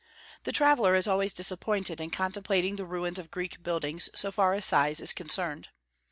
The traveller is always disappointed in contemplating the ruins of Greek buildings so far as size is concerned.